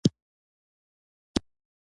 د دویم مشروطیت په ډول سر هسک کړ.